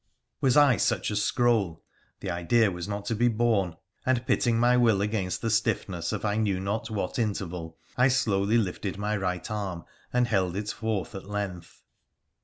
Was I such a scroll ? The idea was not to be borne, and, pitting my will against the stiffness of I knew not what interval, I slowly lifted my right arm and held it forth at length.